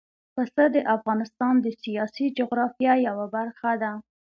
پسه د افغانستان د سیاسي جغرافیه یوه برخه ده.